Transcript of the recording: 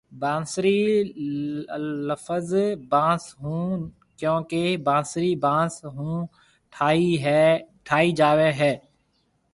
بانسري لفظ بانس ھونھيَََ ڪيونڪي بانسري بانس ھونٺاھيَََ جاوي ھيَََ